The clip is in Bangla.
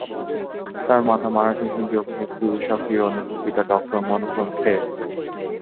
তার মাতা মারাঠি হিন্দি অভিনেত্রী ঊষা কিরণ এবং পিতা ডক্টর মনোহর খের।